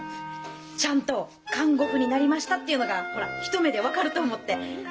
ちゃんと看護婦になりましたっていうのがホラ一目で分かると思って。